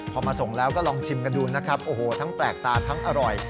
พอมาส่งแล้วก็ลองชิมกันดูนะครับโอ้โหทั้งแปลกตาทั้งอร่อย